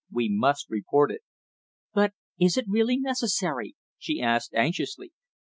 We must report it." "But is it really necessary?" she asked anxiously.